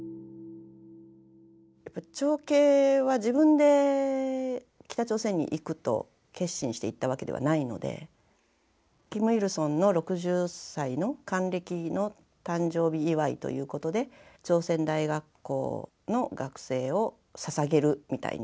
長兄は自分で北朝鮮に行くと決心して行ったわけではないのでキムイルソンの６０歳の還暦の誕生日祝いということで朝鮮大学校の学生をささげるみたいな。